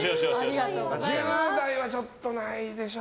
１０代はちょっとないでしょ。